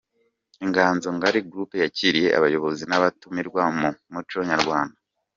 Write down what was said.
Inganzo Ngali group yakiriye abayobozi n’abatumirwa mu muco nyarwanda.